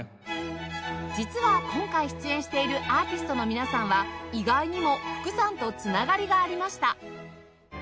実は今回出演しているアーティストの皆さんは意外にも福さんとつながりがありました